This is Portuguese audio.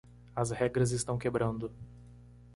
As regras estão quebrando.